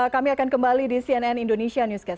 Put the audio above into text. kami akan kembali di cnn indonesia newscast